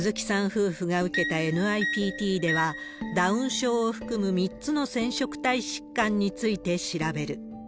夫婦が受けたＮＩＰＴでは、ダウン症を含む３つの染色体疾患について調べる。